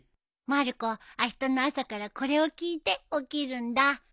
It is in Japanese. まる子あしたの朝からこれを聞いて起きるんだ。